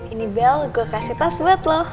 ini bel gue kasih tas buat lo